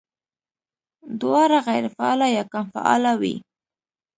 دواړه غېر فعاله يا کم فعاله وي